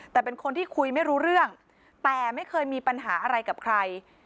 แต่เป็นคนที่คุยไม่รู้เรื่องแต่ไม่เคยมีปัญหาอะไรกับใคร